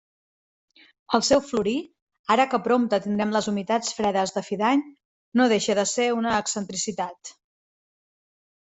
El seu florir ara que prompte tindrem les humitats fredes de fi d'any no deixa de ser una excentricitat.